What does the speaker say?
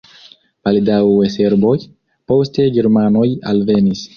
Baldaŭe serboj, poste germanoj alvenis.